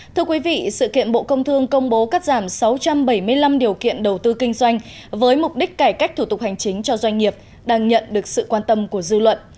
thưa quý vị sự kiện bộ công thương công bố cắt giảm sáu trăm bảy mươi năm điều kiện đầu tư kinh doanh với mục đích cải cách thủ tục hành chính cho doanh nghiệp đang nhận được sự quan tâm của dư luận